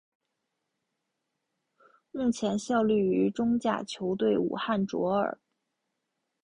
目前效力于中甲球队武汉卓尔。